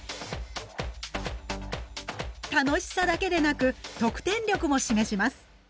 楽しさだけでなく得点力も示します。